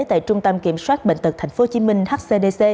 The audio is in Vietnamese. tại trung tâm kiểm soát bệnh tật tp hcm